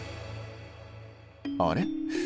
あれ？